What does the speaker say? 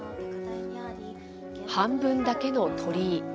半分だけの鳥居。